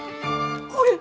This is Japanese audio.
これ。